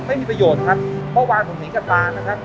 ไม่มีประโยชน์ครับเพราะว่าผมหนีกับทางนะครับ